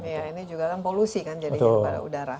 iya ini juga kan polusi kan jadinya pada udara